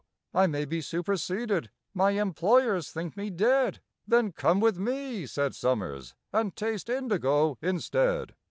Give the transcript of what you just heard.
I may be superseded—my employers think me dead!" "Then come with me," said SOMERS, "and taste indigo instead."